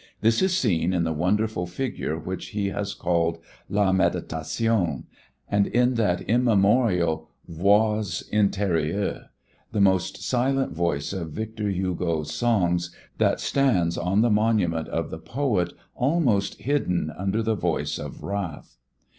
This is seen in the wonderful figure which he has called "La Méditation" and in that immemorable "Voix Intérieure," the most silent voice of Victor Hugo's songs, that stands on the monument of the poet almost hidden under the voice of wrath.